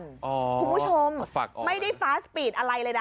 คุณผู้ชมไม่ได้ฟาสปีดอะไรเลยนะ